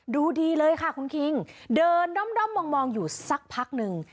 ดูดีเลยค่ะคุณคิงเดินด้อมมองอยู่สักพักหนึ่ง